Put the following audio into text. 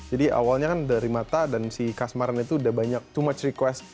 jadi awalnya kan dari mata dan si kazmaran itu udah banyak too much request